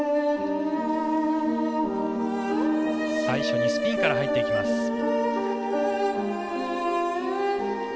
最初にスピンから入っていきます。